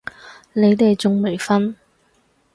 你哋仲未瞓？